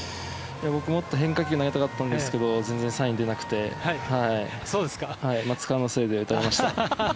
僕、もっと変化球投げたかったんですが全然サインでなくて松川のせいで打たれました。